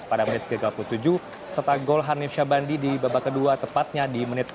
pada menit ke tiga puluh tujuh serta gol hanif syabandi di babak kedua tepatnya di menit tiga puluh